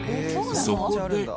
そこで。